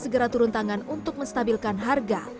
segera turun tangan untuk menstabilkan harga